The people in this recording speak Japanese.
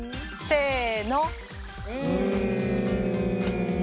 せの！